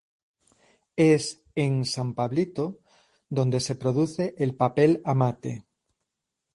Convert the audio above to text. Es, en San Pablito, donde se produce el papel amate.